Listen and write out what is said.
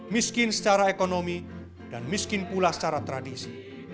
miskin secara ekonomi dan miskin pula secara tradisi